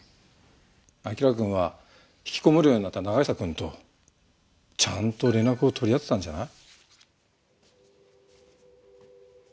輝くんは引きこもるようになった永久くんとちゃんと連絡を取り合ってたんじゃない？